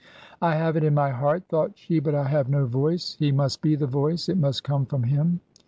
" I have it in my heart," thought she, " but I have no voice. He must be the Voice. It must come from him."